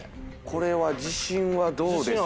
これは自信はどうですか？